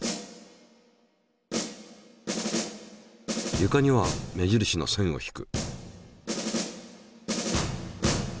ゆかには目印の線を引く。